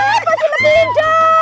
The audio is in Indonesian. aduh masih lebih indah